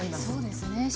そうですね。